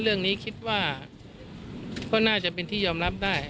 เรื่องนี้คิดว่าก็น่าจะเป็นที่ยอมรับได้